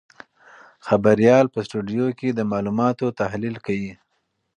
خبریال په سټوډیو کې د معلوماتو تحلیل کوي.